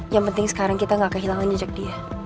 yang penting sekarang kita gak kehilangan jejak dia